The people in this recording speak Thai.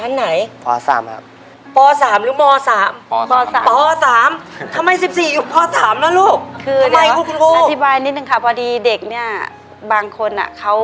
ในแคมเปญพิเศษเกมต่อชีวิตโรงเรียนของหนู